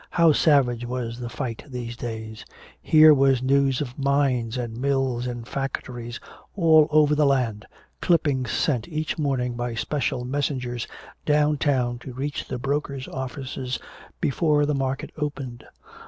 How savage was the fight these days. Here was news of mines and mills and factories all over the land, clippings sent each morning by special messengers downtown to reach the brokers' offices before the market opened.